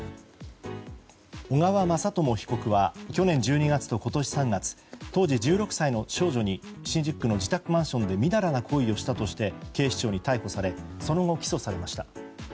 小川雅朝被告は去年１２月と今年３月当時１６歳の少女に新宿区の自宅マンションでみだらな行為をしたとして警視庁に逮捕されその後、起訴されました。